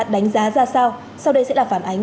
đánh giá ra sao sau đây sẽ là phản ánh